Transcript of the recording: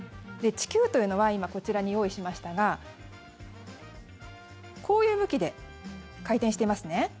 地球というのは今、こちらに用意しましたがこういう向きで回転していますね。